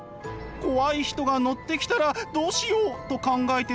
怖い人が乗ってきたらどうしよう！と考えてしまうそうなんです。